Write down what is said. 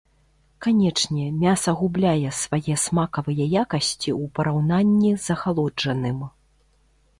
Канечне, мяса губляе свае смакавыя якасці у параўнанні з ахалоджаным.